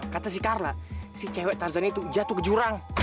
kata si karla si cewek tarzannya itu jatuh ke jurang